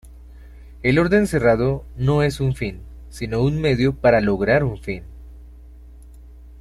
El orden cerrado no es un fin, sino un medio para lograr un fin.